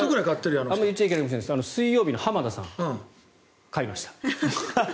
あまり言っちゃいけないんですが水曜日の浜田さん、買いました。